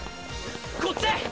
こっちへ！